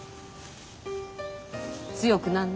強くなんな。